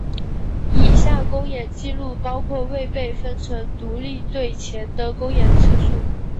以下公演记录包括未被分成独立队前的公演次数。